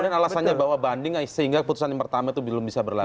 kemudian alasannya bahwa banding sehingga keputusan yang pertama itu belum bisa berlaku